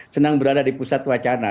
senang berada di pusat wacana